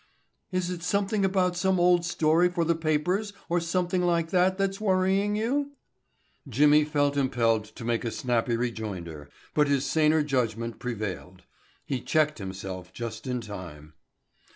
"Is it something about some old story for the papers or something like that that's worrying you?" Jimmy felt impelled to make a snappy rejoinder, but his saner judgment prevailed. He checked himself just in time.